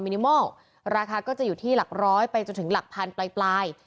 นิมอลราคาก็จะอยู่ที่หลักร้อยไปจนถึงหลักพันปลาย